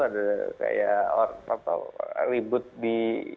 ada ribut di